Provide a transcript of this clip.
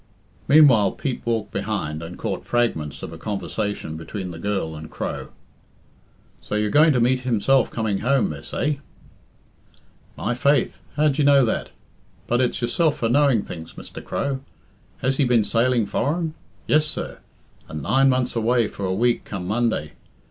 Meanwhile Pete walked behind, and caught fragments of a conversation between the girl and Crow. "So you're going to meet himself coming home, miss, eh?" "My faith, how d'ye know that? But it's yourself for knowing things, Mr. Crow. Has he been sailing foreign? Yes, sir; and nine months away for a week come Monday.